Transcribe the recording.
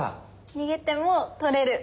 逃げても取れる。